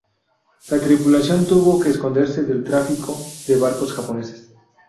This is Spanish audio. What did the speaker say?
La tripulación tuvo que esconderse del tráfico de barcos japoneses.